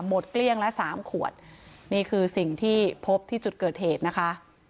เกลี้ยงละสามขวดนี่คือสิ่งที่พบที่จุดเกิดเหตุนะคะ